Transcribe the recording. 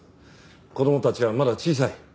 子供たちはまだ小さい。